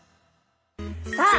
さあ